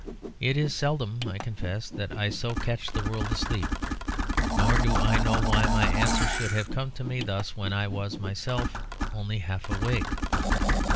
It is seldom, I confess, that I so catch the world asleep, nor do I know why my answer should have come to me thus when I was myself only half awake.